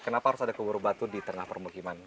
kenapa harus ada kubur batu di tengah permukiman